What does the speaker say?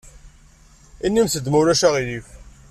Inimt-d ma ulac aɣilif.